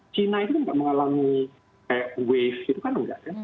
cina itu tidak mengalami wave itu kan enggak ya